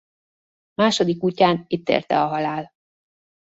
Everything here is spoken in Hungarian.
Második útján itt érte a halál.